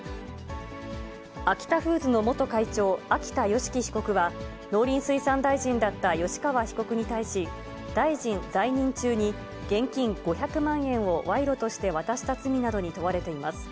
アキタフーズの元会長、秋田善祺被告は、農林水産大臣だった吉川被告に対し、大臣在任中に現金５００万円を賄賂として渡した罪などに問われています。